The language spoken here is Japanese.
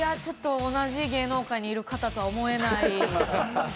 同じ芸能界にいる方とは思えない。